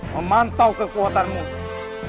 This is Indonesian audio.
memantau kekuatan musuh